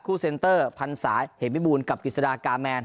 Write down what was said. คู่เซนเตอร์พันศาสตร์เหมภิบูรณ์กับกฤษฎากาแมน